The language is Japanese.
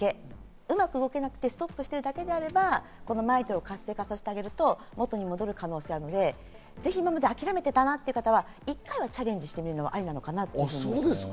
うまく動けなくてストップしているだけであればＭＩＴＯＬを活性化させると元に戻る可能性があるので、諦めていたという方は１回はチャレンジしてみるのもありかと思います。